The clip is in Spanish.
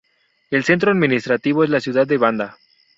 El centro administrativo es la ciudad de Banda.